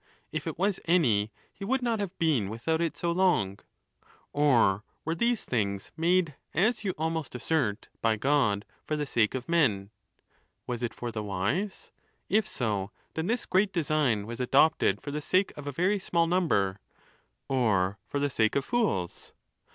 If it was any, he ^vould not have been without it so long. 10 218 THE NATURE OF THE GODS. Or were these things made, as you almost assert, by God for the sake of men ? Was it for the wise ? If so, then this great design was adopted for the sake of a very small number. Or for the sake of fools?